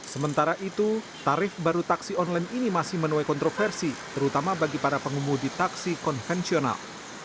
sementara itu tarif baru taksi online ini masih menuai kontroversi terutama bagi para pengemudi taksi konvensional